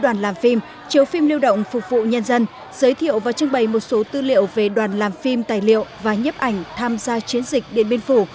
đoàn làm phim chiếu phim lưu động phục vụ nhân dân giới thiệu và trưng bày một số tư liệu về đoàn làm phim tài liệu và nhấp ảnh tham gia chiến dịch điện biên phủ